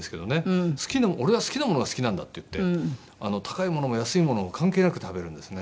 「俺は好きなものが好きなんだ」って言って高いものも安いものも関係なく食べるんですね。